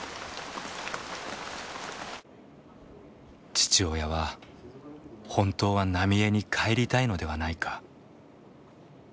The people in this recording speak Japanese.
父親は本当は浪江に帰りたいのではないか。